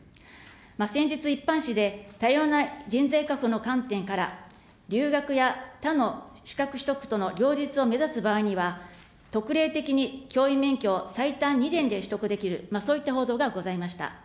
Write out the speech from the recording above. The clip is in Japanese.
先日、一般紙で、多様な人材確保の観点から、留学や他の資格取得との両立を目指す場合には、特例的に教員免許を最短２年で取得できる、そういった報道がございました。